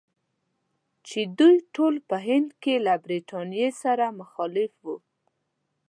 چې دوی ټول په هند کې له برټانیې سره مخالف ول.